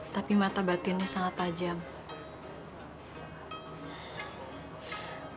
tapi mata batinnya sangat tajam